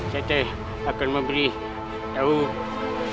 saya akan memberitahu guru